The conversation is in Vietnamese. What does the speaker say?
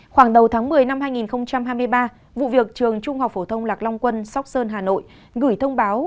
khoảng đầu tháng một mươi năm hai nghìn hai mươi ba vụ việc trường trung học phổ thông lạc long quân sóc sơn hà nội gửi thông báo